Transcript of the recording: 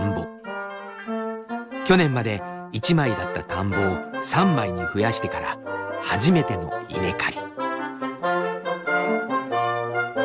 去年まで１枚だった田んぼを３枚に増やしてから初めての稲刈り。